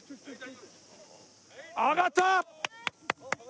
揚がった！